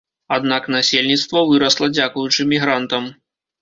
Аднак насельніцтва вырасла дзякуючы мігрантам.